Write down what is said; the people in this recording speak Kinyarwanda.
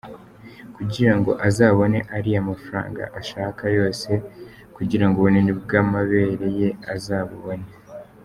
Kugira ngo azabone ariya mafaranga ashaka yose kugira ngo ubunini bw’amabere ye azabubone.